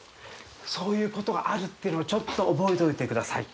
そういうことがあるっていうのをちょっと覚えておいてください。